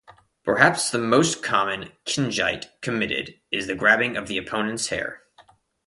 Perhaps the most common "kinjite" committed is the grabbing of the opponent's hair.